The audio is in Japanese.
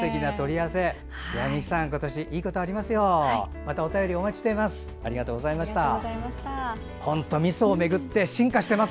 またお便りをお待ちしています。